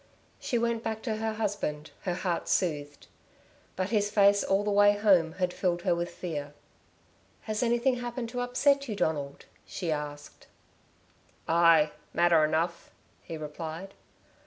She went back to her husband, her heart soothed. But his face all the way home had filled her with fear. "Has anything happened to upset you, Donald," she asked. "Aye, matter enough," he replied.